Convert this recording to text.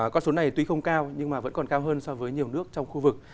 con số này tuy không cao nhưng mà vẫn còn cao hơn so với nhiều nước trong khu vực